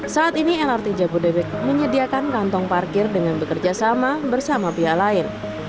saat ini lrt jabodebek menyediakan kantong parkir dengan bekerja sama bersama pihak lain